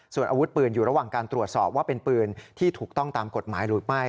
ส่วนอาวุธปืนอยู่ระหว่างการตรวจสอบว่าเป็นปืนที่ถูกต้องตามกฎหมายหรือไม่